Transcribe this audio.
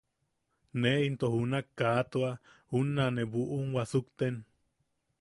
Ne into junak, kaa tua, unna ne buʼum wasukten.